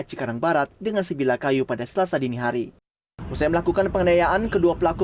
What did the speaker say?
cikarang barat dengan sebilah kayu pada selasa dini hari usai melakukan pengenayaan kedua pelaku